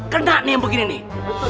kena nih yang begini nih